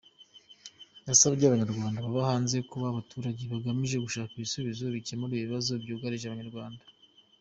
Yasabye Abanyarwanda baba hanze kuba abaturage bagamije gushaka ibisubizo bikemura ibibazo byugarije Abanyarwanda.